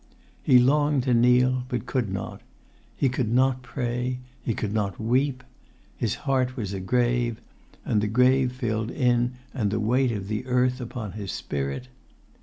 He longed to kneel, but could not. He could not pray. He could not weep. His heart was a grave, and the grave filled in and the weight of the earth upon his spirit.